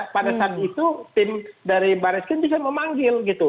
pada saat itu tim dari barreskrim bisa memanggil gitu